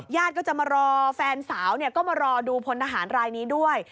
ญาติก็จะมารอแฟนสาวก็มารอดูพลทหารรายนี้ด้วย